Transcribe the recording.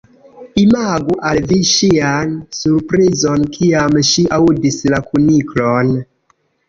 Imagu al vi ŝian surprizon kiam ŝi aŭdis la kuniklon.